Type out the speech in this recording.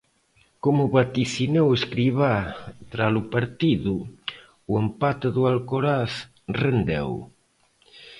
Como vaticinou Escribá tras o partido, o empate do Alcoraz rendeu.